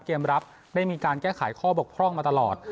เกมรับได้มีการแก้ไขข้อบกพร่องมาตลอด